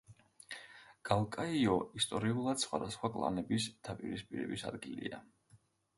გალკაიო ისტორიულად სხვადასხვა კლანების დაპირისპირების ადგილია.